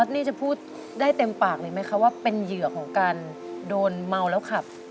นี่จะพูดได้เต็มปากเลยไหมคะว่าเป็นเหยื่อของการโดนเมาแล้วขับ